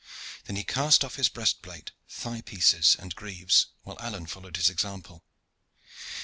Then he cast off his breast plate, thigh pieces, and greaves, while Alleyne followed his example.